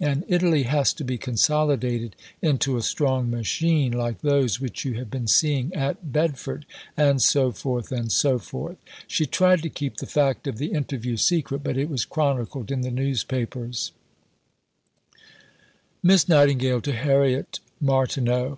And Italy has to be consolidated into a strong machine, like those which you have been seeing at Bedford," and so forth, and so forth. She tried to keep the fact of the interview secret, but it was chronicled in the newspapers: (_Miss Nightingale to Harriet Martineau.